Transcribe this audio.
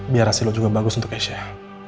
biar hasil lo juga bagus untuk esha